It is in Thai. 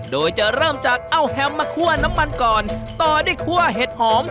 โดยจะเริ่มจากเอาแห่มมาคั่วน้ำมันก่อน